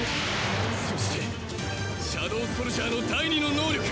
そしてシャドウソルジャーの第２の能力